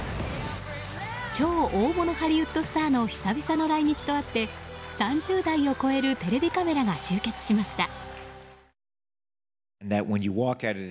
超大物ハリウッドスターの久々の来日とあって３０台を超えるテレビカメラが集結しました。